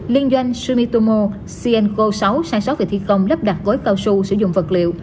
liên doanh sumitomo sienko sáu sang sót về thi công lắp đặt gói cao sơ sử dụng vật liệu